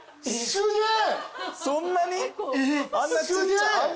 すげえ！